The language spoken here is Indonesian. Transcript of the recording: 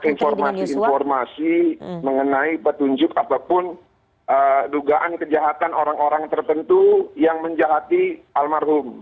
informasi informasi mengenai petunjuk apapun dugaan kejahatan orang orang tertentu yang menjahati almarhum